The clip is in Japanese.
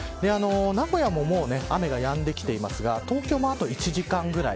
名古屋ももう雨がやんできていますが東京もあと１時間ぐらい。